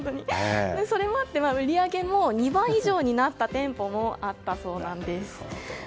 それもあって、売り上げも２倍以上になった店舗もあったそうなんです。